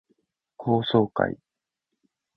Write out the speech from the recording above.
高層階